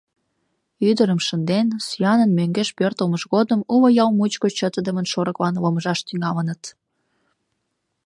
Ӱдырым шынден, сӱанын мӧҥгеш пӧртылмыж годым уло ял мучко чытыдымын шорыклан ломыжаш тӱҥалыныт.